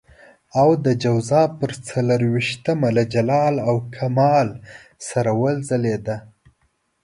او د جوزا پر څلور وېشتمه له جلال او کمال سره وځلېده.